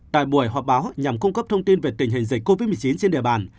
tại buổi họp báo nhằm cung cấp thông tin về tình hình dịch covid một mươi chín trên địa bàn